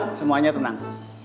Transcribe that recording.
stop stop semuanya tenang